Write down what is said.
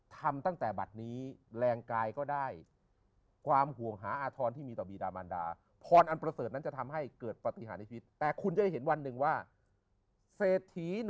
ทำตั้งแต่บัตรนี้แรงกายก็ได้ความห่วงหาอาธรณที่มีต่อบีรามันดาพรอันประเสริฐนั้นจะทำให้เกิดปฏิหารในชีวิต